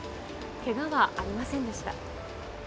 けがはありませんでした。